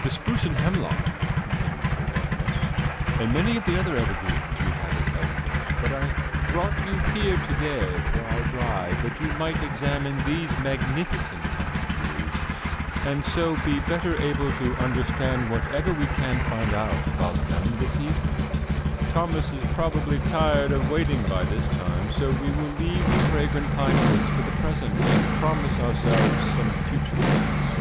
"The spruce and hemlock," continued their governess, "and many of the other evergreens, we have at Elmridge, but I brought you here to day for our drive that you might examine these magnificent pine trees, and so be better able to understand whatever we can find out about them this evening. Thomas is probably tired of waiting by this time; so we will leave the fragrant pine woods for the present, and promise ourselves some future visits."